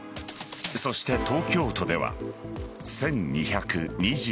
そして、東京都では１２２３人。